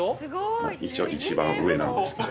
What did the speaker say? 一応一番上なんですけど。